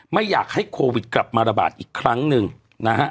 ไม่อยากให้โควิดกลับมาระบาดอีกครั้งหนึ่งนะฮะ